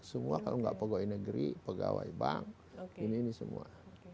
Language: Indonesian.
semua kalau nggak pegawai negeri pegawai bank ini ini semua